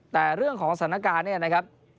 แต่เรื่องของสถานการณ์เนี่ยนะครับ